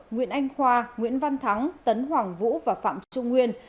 nguyễn anh khoa nguyễn văn thắng tấn hoàng vũ và phạm trung nguyên